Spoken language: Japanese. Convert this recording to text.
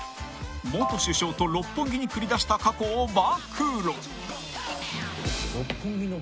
［元首相と六本木に繰り出した過去を暴露！］